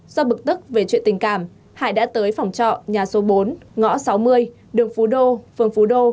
do bực tức về chuyện tình cảm hải đã tới phòng trọ nhà số bốn ngõ sáu mươi đường phú đô phường phú đô